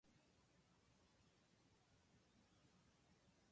失敗は成功の母